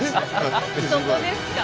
そこですか！